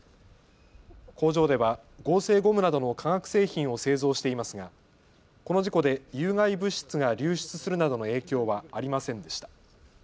工場では合成ゴムなどの化学製品を製造していますがこの事故で有害物質が流出するなどの影響はありませんでした。